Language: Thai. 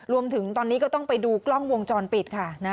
รวมถึงตอนนี้ก็ต้องไปดูกล้องวงจรปิดค่ะ